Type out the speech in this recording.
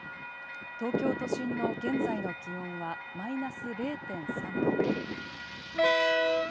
東京都心の現在の気温はマイナス０．３度。